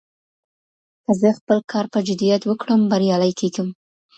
که زه خپل کار په جدیت وکړم، بريالی کېږم.